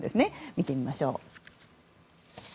見てみましょう。